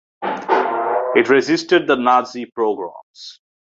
It resisted the Nazi pogroms.